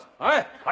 はい。